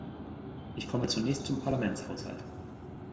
Ich komme zunächst zum Parlamentshaushalt.